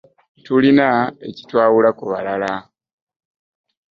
Tulina ekitwawula ku balala.